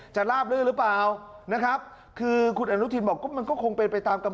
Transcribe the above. จะลาบดื่มหรือเปล่า